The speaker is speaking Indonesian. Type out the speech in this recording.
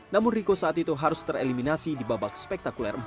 namun riko saat itu harus tereliminasi di babak spektakuler empat